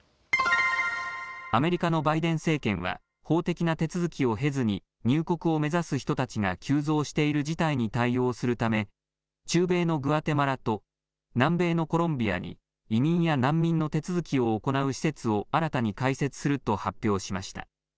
アメリカのバイデン政権は法的な手続きを経ずに入国を目指す人たちが急増している事態に対応するため中米のグアテマラと南米のコロンビアに移民や難民の手続きを行う施設を新たに開設すると発表しました。